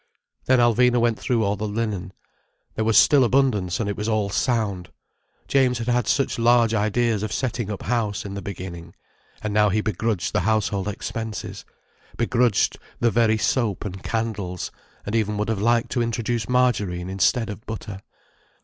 Then Alvina went through all the linen. There was still abundance, and it was all sound. James had had such large ideas of setting up house, in the beginning. And now he begrudged the household expenses, begrudged the very soap and candles, and even would have liked to introduce margarine instead of butter.